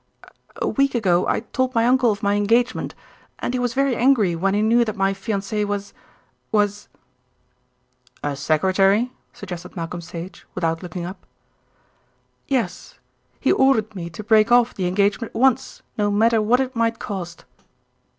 "A week ago I told my uncle of my engagement, and he was very angry when he knew that my fiancée was was "A secretary," suggested Malcolm Sage, without looking up. "Yes. He ordered me to break off the engagement at once, no matter what it might cost."